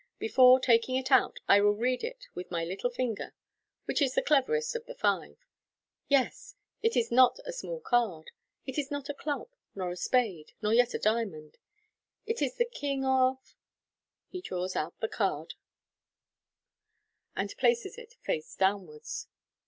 Before taking it out, I will read it with my little finger, which is the cleverest of the five. Yes ! It is not a small card $ it is not a club, nor a spade, nor yet a diamond. It is the king of " (He draws out the card, and places it face downwards.)